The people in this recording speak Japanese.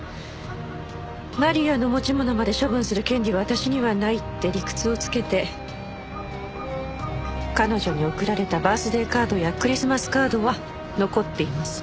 マリアの持ち物まで処分する権利は私にはないって理屈をつけて彼女に贈られたバースデーカードやクリスマスカードは残っています。